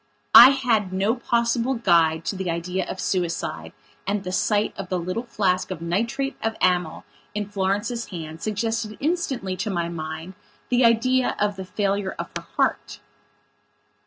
I had no possible guide to the idea of suicide and the sight of the little flask of nitrate of amyl in Florence's hand suggested instantly to my mind the idea of the failure of her heart.